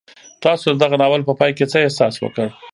تاسو د دغه ناول په پای کې څه احساس وکړ؟